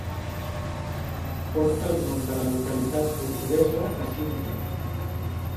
Porta el nom de la localitat portuguesa de Sintra.